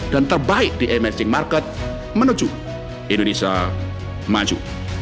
dan terbaik di emerging market menuju indonesia maju